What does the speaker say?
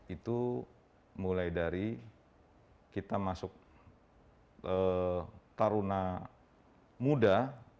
itu mulai dari kita masuk taruna muda